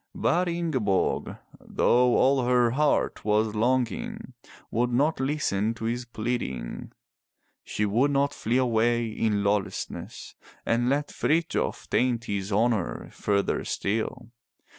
But Ingeborg, though all her heart was longing, would not listen to his pleading. She would not flee away in lawlessness and let Frithjof taint his honor further still.